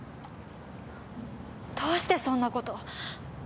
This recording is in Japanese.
どうしてそんな事。